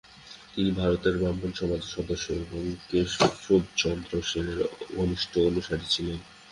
তিনি ভারতের ব্রাহ্মসমাজের সদস্য এবং কেশবচন্দ্র সেনের ঘনিষ্ঠ অনুসারী ছিলেন।